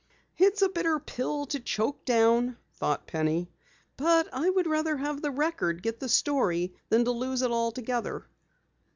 "It's a bitter pill to choke down," thought Penny, "but I would rather have the Record get the story than to lose it altogether."